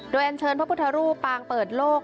โดยอัญเชิญพระพุทธรูปปางเปิดโลก